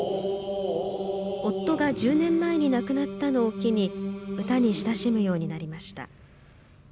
夫が１０年前に亡くなったのを機に歌に親しむようになりました。